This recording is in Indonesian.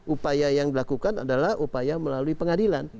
upaya yang dilakukan adalah upaya melalui pengadilan